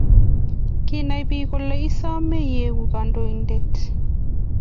Konain pik ko le isame iiku kandoindet